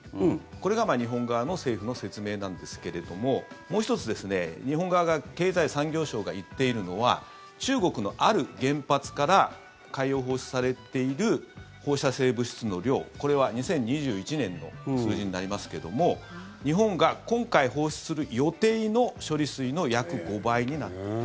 これが日本側の政府の説明なんですけれどももう１つ、日本側が経済産業省が言っているのは中国のある原発から海洋放出されている放射性物質の量これは２０２１年の数字になりますけども日本が今回放出する予定の処理水の約５倍になっている。